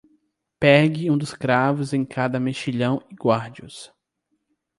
Pegue um dos cravos em cada mexilhão e guarde-os.